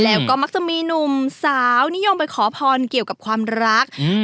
แล้วก็มักจะมีหนุ่มสาวนิยมไปขอพรเกี่ยวกับความรักอืม